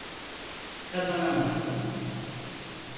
Kazanamazsınız.